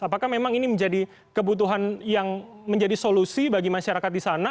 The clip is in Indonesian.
apakah memang ini menjadi kebutuhan yang menjadi solusi bagi masyarakat di sana